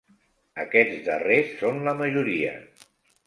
Aquests darrers són la majoria.